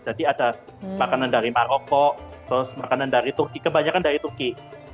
jadi ada makanan dari maroko terus makanan dari turki kebanyakan dari turki